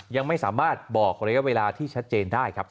ยังไม่สามารถบอกระยะเวลาที่ชัดเจนได้ครับ